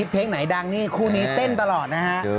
เพลงไหนดังนี่คู่นี้เต้นตลอดนะฮะ